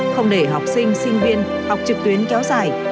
không để học sinh sinh viên học trực tuyến kéo dài